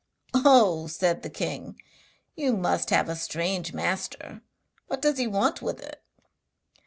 'Oh,' said the king, 'you must have a strange master! What does he want with it?'